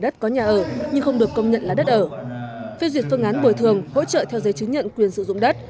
phép duyệt phân án bồi thường hỗ trợ theo giấy chứng nhận quyền sử dụng đất